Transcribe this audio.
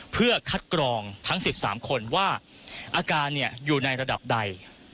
เพื่อคัดกรองทั้ง๑๓คนว่าอาการอยู่ในระดับใด